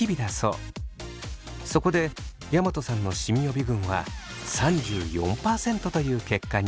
そこで山戸さんのシミ予備軍は３４％という結果に。